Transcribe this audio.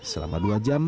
selama dua jam